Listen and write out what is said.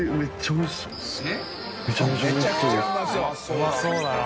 うまそうだな。